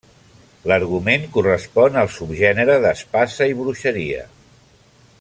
L'argument correspon al subgènere d'espasa i bruixeria.